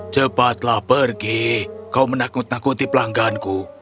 cepatlah pergi kau menakut nakuti pelangganku